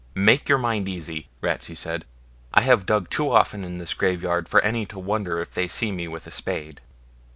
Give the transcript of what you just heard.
'Make your mind easy,' Ratsey said; 'I have dug too often in this graveyard for any to wonder if they see me with a spade.'